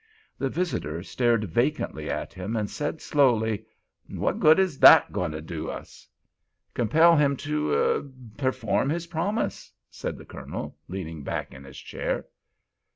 The visitor stared vacantly at him, and said, slowly: "And what good is that goin' to do us?" "Compel him to—er—perform his promise," said the Colonel, leaning back in his chair.